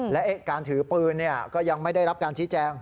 และการถือปืนก็ยังไม่ได้รับการชี้แจง